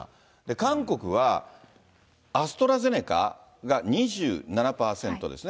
韓国はアストラゼネカが２７％ですね。